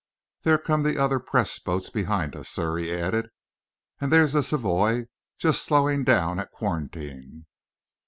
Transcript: There come the other press boats behind us, sir," he added. "And there's the Savoie just slowing down at quarantine."